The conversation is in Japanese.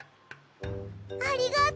ありがとう！